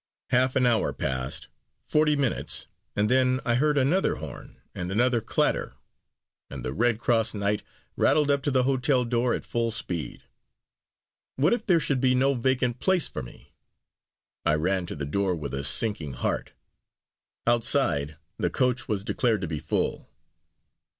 Half an hour passed forty minutes and then I heard another horn and another clatter and the Red Cross Knight rattled up to the hotel door at full speed. What if there should be no vacant place for me! I ran to the door with a sinking heart. Outside, the coach was declared to be full.